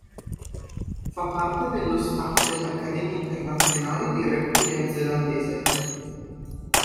Fa parte dello staff dell'Accademia Internazionale di Rugby neozelandese.